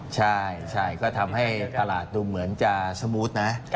ใช่ก็ทำให้ตลาดดูเหมือนจะสมูทนะ